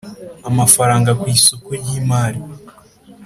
Amafaranga ku isoko ry imari